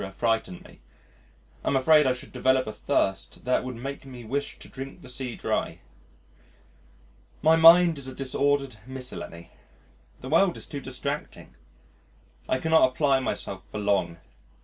frighten me. I am afraid I should develop a thirst that would make me wish to drink the sea dry. My mind is a disordered miscellany. The world is too distracting. I cannot apply myself for long.